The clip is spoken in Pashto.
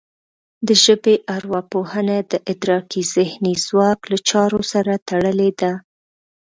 د ژبې ارواپوهنه د ادراکي ذهني ځواک له چارو سره تړلې ده